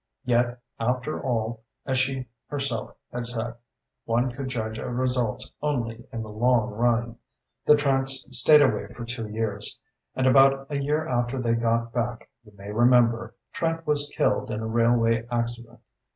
Yet, after all, as she herself had said, one could judge of results only in the long run.... "The Trants stayed away for two years; and about a year after they got back, you may remember, Trant was killed in a railway accident.